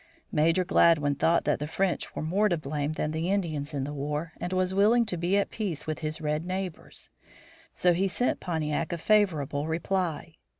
Major Gladwin thought that the French were more to blame than the Indians in the war, and was willing to be at peace with his red neighbors. So he sent Pontiac a favorable reply.